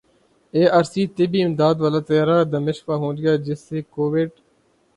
ای R C طبی امداد والا طیارہ دمشق پہنچ گیا جس سے کوویڈ